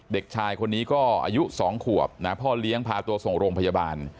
เด็กชายคนนี้ก็อายุ๒ขวบนะพ่อเลี้ยงพาตัวส่งโรงพยาบาล